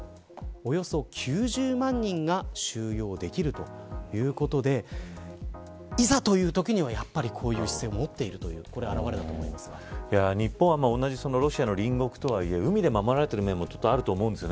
およそ９０万人が収容できるということでいざというときには、やはりこういう施設を持っている日本は同じくロシアの隣国とはいえ海で守られている面もあると思うんです。